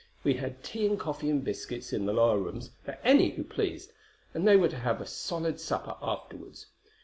We had tea and coffee and biscuits in the lower rooms, for any who pleased; and they were to have a solid supper afterwards.